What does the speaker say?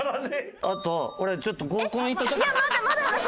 あと俺ちょっと合コン行った時。